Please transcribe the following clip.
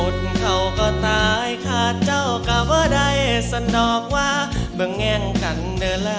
อดเขาก็ตายขาดเจ้าก็บ่ได้สนอกว่าบ่แง่งกันเด้อล่ะ